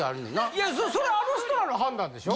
いやそれあの人らの判断でしょ？